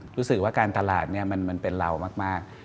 รู้สึกว่าการตลาดมันเป็นเรามาก